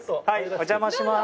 お邪魔します。